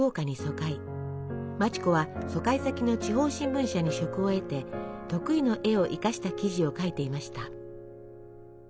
町子は疎開先の地方新聞社に職を得て得意の絵を生かした記事を書いていました。